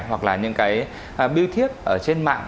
hoặc là những cái biêu thiết trên mạng